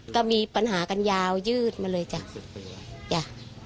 ก็มีปัญหากันยาวยืดมาเลยจ้ะจ้ะ